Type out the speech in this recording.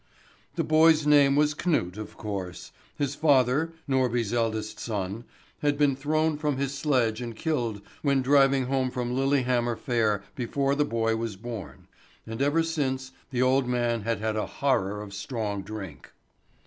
The boy's name was Knut, of course. His father, Norby's eldest son, had been thrown from his sledge and killed when driving home from Lillehammer fair before the boy was born; and ever since the old man had had a horror of strong drink.